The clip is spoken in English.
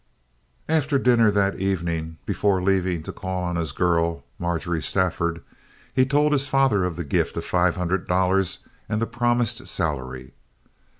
After dinner that evening, before leaving to call on his girl, Marjorie Stafford, he told his father of the gift of five hundred dollars and the promised salary.